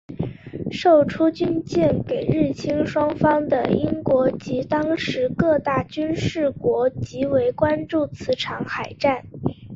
售出军舰给日清双方的英国及当时各军事大国极为关注此场海战。